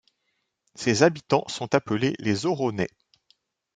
Ses habitants sont appelés les Auronais.